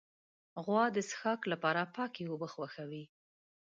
غوا د څښاک لپاره پاکې اوبه خوښوي.